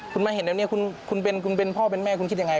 คุณมาเห็นแบบนี้คุณเป็นคุณเป็นพ่อเป็นแม่คุณคิดยังไง